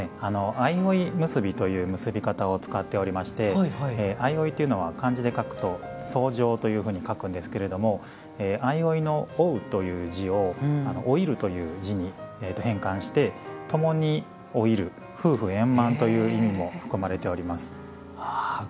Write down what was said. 相生結びという結び方を使っておりまして相生というのは漢字で書くと「相生」というふうに書くんですけれども相生の「生」という字を「老いる」という字に変換して共に老いる夫婦円満という意味も含まれております。